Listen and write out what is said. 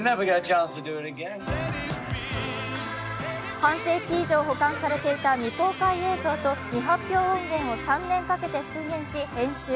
半世紀以上保管されていた未公開映像と未発表音源を３年かけて復元し、編集。